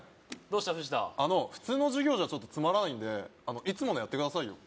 どうした藤田普通の授業じゃつまらないんでいつものやってくださいよ